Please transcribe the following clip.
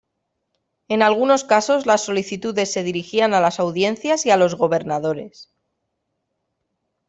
En algunos casos las solicitudes se dirigían a las audiencias y a los gobernadores.